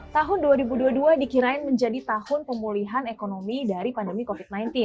tahun dua ribu dua puluh dua dikirain menjadi tahun pemulihan ekonomi dari pandemi covid sembilan belas